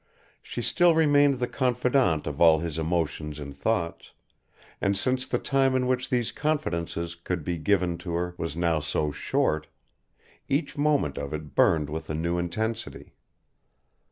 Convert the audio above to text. She still remained the confidante of all his emotions and thoughts, and since the time in which these confidences could be given to her was now so short, each moment of it burned with a new intensity.